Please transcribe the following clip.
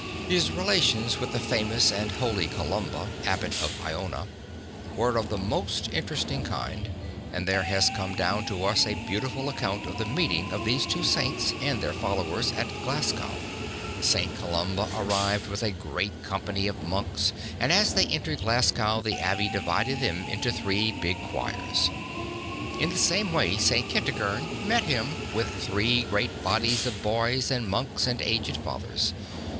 His relations with the famous and holy Columba, Abbot of Iona, were of the most interesting kind, and there has come down to us a beautiful account of the meeting of these two Saints and their followers at Glasgow. St. Columba arrived with a great company of monks, and as they entered Glasgow the Abbot divided them into three big choirs. In the same way St. Kentigern met him with three great bodies of boys and monks and aged Fathers.